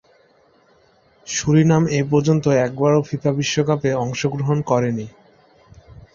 Surinam এপর্যন্ত একবারও FIFA বিশ্বকাপে অংশগ্রহণ করতে পারেনি।